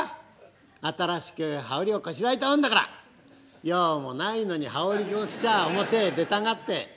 新しく羽織をこしらえたもんだから用もないのに羽織を着ちゃあ表へ出たがって」。